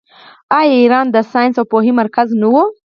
آیا ایران د ساینس او پوهې مرکز نه و؟